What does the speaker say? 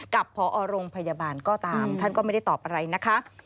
กับพอโรงพยาบาลก็ตามท่านก็ไม่ได้ตอบอะไรนะคะ